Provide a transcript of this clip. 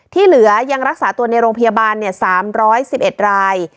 ที่เหลือยังรักษาตัวในโรงพยาบาล๓๑๑ราย